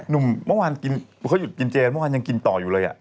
เมื่อวานกินเขาหยุดกินเจนเมื่อวานยังกินต่ออยู่เลย